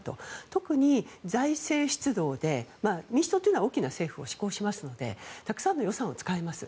特に財政出動で民主党というのは大きな政府を志向しますのでたくさんの予算を使います。